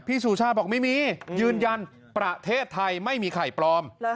สุชาติบอกไม่มียืนยันประเทศไทยไม่มีไข่ปลอม